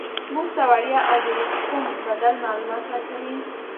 موږ ته وړیا او بې له کوم بدل معلومات راکوي.